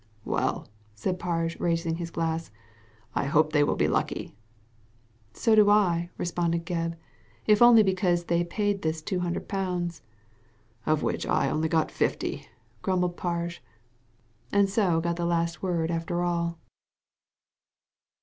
" Well," said Parge, raising his glass, " I hope they will be lucky." " So do I," responded Gebb, " if only because they paid this two hundred pounds." " Of which I got only fifty," grumbled Parge, and so got the last word after all.